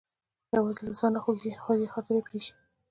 یوازې له ځانه خوږې خاطرې پرې ایښې.